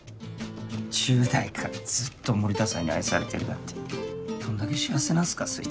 十代からずっと森田さんに愛されてるなんてどんだけ幸せなんすかそいつ。